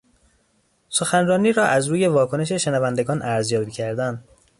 سخنرانی را از روی واکنش شنوندگان ارزیابی کردن